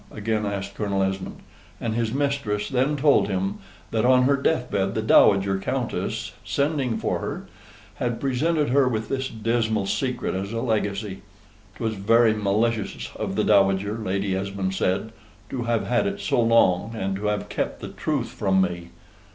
again asked Colonel Esmond and his mistress then told him that on her death bed the Dowager Countess, sending for her, had presented her with this dismal secret as a legacy. "'Twas very malicious of the Dowager," Lady Esmond said, "to have had it so long, and to have kept the truth from me."